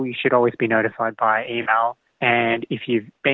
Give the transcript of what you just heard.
anda harus selalu diberi pemberitahuan melalui email